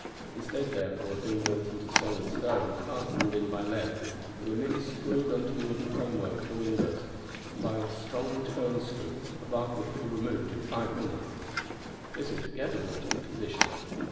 Instead, therefore, of being built into solid stone and fastened in by lead, they were merely screwed on to the wooden framework of the windows, and by a strong turn screw a bar could be removed in five minutes. This altogether altered the position.